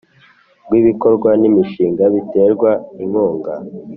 Rw ibikorwa n imishinga biterwa inkunga